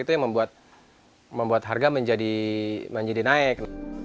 itu yang membuat harga menjadi naik